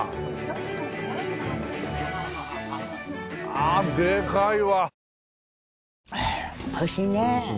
ああでかいわ！